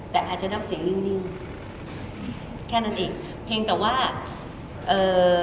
แต่อาจจะน้ำเสียงนิ่งแค่นั้นเองเพียงแต่ว่าเอ่อ